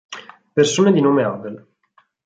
Persone di nome Abel